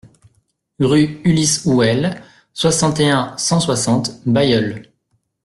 Rue Ulysse Houel, soixante et un, cent soixante Bailleul